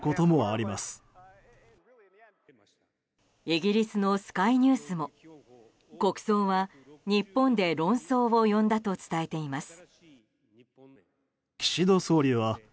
イギリスのスカイニュースも国葬は日本で論争を呼んだと伝えています。